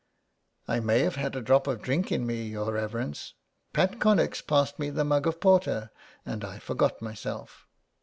" I may have had a drop of drink in me, your reverence. Pat Connex passed me the mug of porter and I forgot myself."